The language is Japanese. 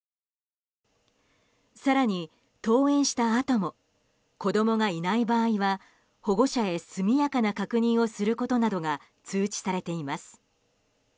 更に、登園したあとも子供がいない場合は保護者へ速やかな確認をすることなどが通知されています。